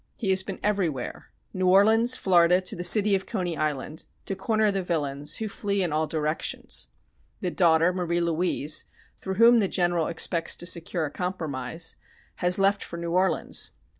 He has been everywhere "New Orleans, Florida, to the city of Coney Island" to corner the villains, who "flee in all directions." The daughter, Marie Louise, through whom the General expects to secure a compromise, has left for New Orleans.